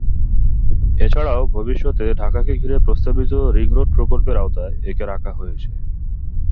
এছাড়াও ভবিষ্যতে ঢাকাকে ঘিরে প্রস্তাবিত রিং-রোড প্রকল্পের আওতায় একে রাখা হয়েছে।